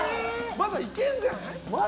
まだいけるんじゃない？